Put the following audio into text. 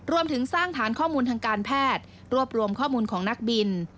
รวมถึงสร้างฐานข้อมูลทางการแพทย์รวบรวมข้อมูลของนักบิน